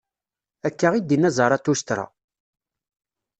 Akka i d-inna Zarathustra.